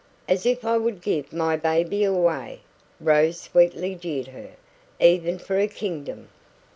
"As if I would give my baby away," Rose sweetly jeered her "even for a kingdom!"